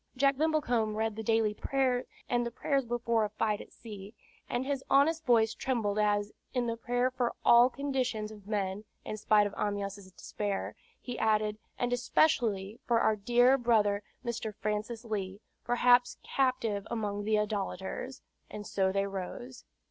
Jack Brimblecombe read the daily prayers, and the prayers before a fight at sea, and his honest voice trembled as, in the Prayer for all Conditions of Men (in spite of Amyas' despair), he added, "and especially for our dear brother Mr. Francis Leigh, perhaps captive among the idolaters;" and so they rose.